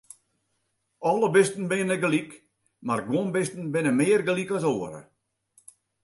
Alle bisten binne gelyk, mar guon bisten binne mear gelyk as oare.